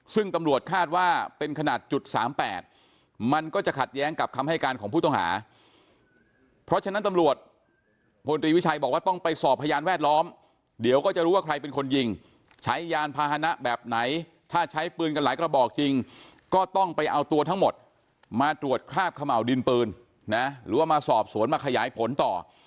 ซึ่งตำรวจคาดว่าเป็นขนาดจุด๓๘มันก็จะขัดแย้งกับคำให้การของผู้ต้องหาเพราะฉะนั้นตำรวจพลตรีวิชัยบอกว่าต้องไปสอบพยานแวดล้อมเดี๋ยวก็จะรู้ว่าใครเป็นคนยิงใช้ยานพาหนะแบบไหนถ้าใช้ปืนกันหลายกระบอกจริงก็ต้องไปเอาตัวทั้งหมดมาตรวจคราบขม่าวดินปืนนะหรือว่ามาสอบสวนมาขยายผลต่อ